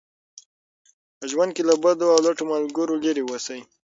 په ژوند کې له بدو او لټو ملګرو لرې اوسئ.